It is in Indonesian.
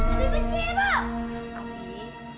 abi benci ibu